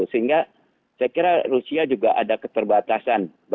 sehingga saya kira rusia juga ada keterbatasan